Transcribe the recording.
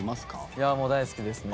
いやあもう大好きですね。